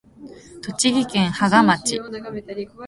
栃木県芳賀町